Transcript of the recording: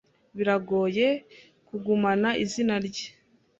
Biragoye kugumana izina rye.